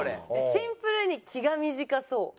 シンプルに気が短そう。